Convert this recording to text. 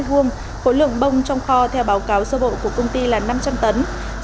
khối lượng bông trong kho theo báo cáo sơ bộ của công ty là năm trăm linh tấn